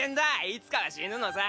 いつかは死ぬのさ。